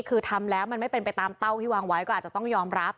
คือทำแล้วมันไม่เป็นไปตามเต้าที่วางไว้ก็อาจจะต้องยอมรับ